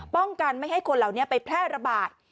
ป้องกันไม่ให้คนเหล่านี้ไปแพร่ระบาด